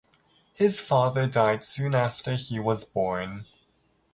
His father died soon after he was born.